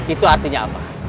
itu artinya apa